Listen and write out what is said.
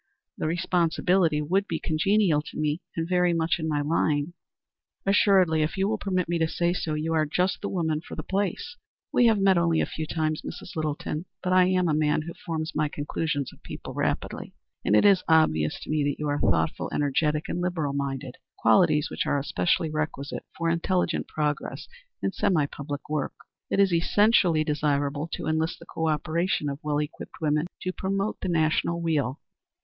The responsibility would be congenial to me and very much in my line." "Assuredly. If you will permit me to say so, you are just the woman for the place. We have met only a few times, Mrs. Littleton, but I am a man who forms my conclusions of people rapidly, and it is obvious to me that you are thoughtful, energetic, and liberal minded qualities which are especially requisite for intelligent progress in semi public work. It is essentially desirable to enlist the co operation of well equipped women to promote the national weal."